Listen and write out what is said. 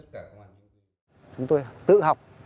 chúng tôi tự học